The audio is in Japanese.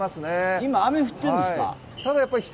今、雨降っているんですか？